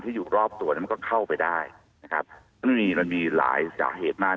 ที่อยู่รอบตัวก็เข้าไปได้มันมีหลายหลายเหตุมาก